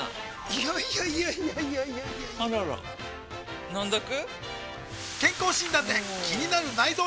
いやいやいやいやあらら飲んどく？